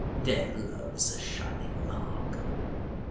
" Death loves a shininor mark."